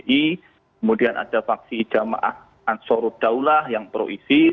kemudian ada paksi jamaah ansarud daulah yang pro isis